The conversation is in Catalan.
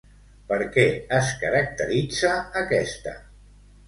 Per què es caracteritza aquesta?